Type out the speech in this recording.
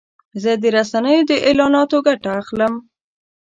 زه د رسنیو د اعلاناتو ګټه اخلم.